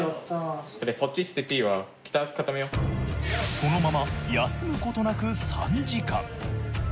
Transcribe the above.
そのまま休むことなく３時間。